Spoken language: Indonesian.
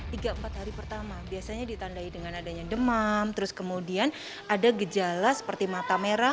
tiga empat hari pertama biasanya ditandai dengan adanya demam terus kemudian ada gejala seperti mata merah